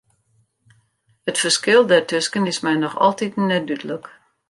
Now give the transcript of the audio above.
It ferskil dêrtusken is my noch altiten net dúdlik.